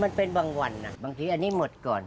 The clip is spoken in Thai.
มันเป็นบางวันบางทีอันนี้หมดก่อน